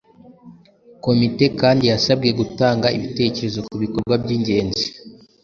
Komite kandi yasabwe gutanga ibitekerezo ku bikorwa by'ingenzi